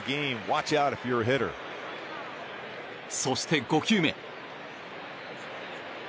そして５球目。